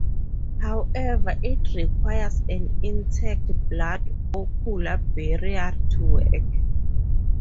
However, it requires an intact blood-ocular barrier to work.